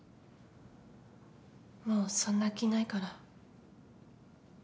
もうそんな気ないから。